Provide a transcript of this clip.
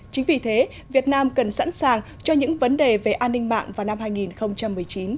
chính vì thế việt nam cần sẵn sàng cho những vấn đề về an ninh mạng vào năm hai nghìn một mươi chín